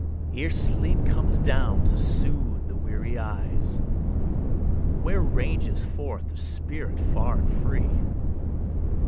Ere sleep comes down to soothe the weary eyes, Where ranges forth the spirit far and free?